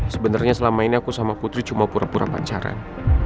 sebenarnya selama ini aku sama putri cuma pura pura pacaran